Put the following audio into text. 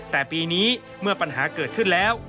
แต่ปีนี้เมื่อปัญหาเกิดขึ้นแล้ว